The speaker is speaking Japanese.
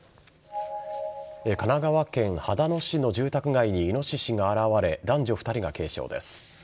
神奈川県秦野市の住宅街にイノシシが現れ男女２人が軽傷です。